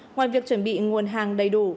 ngoài việc chuẩn bị nguồn hàng đầy đủ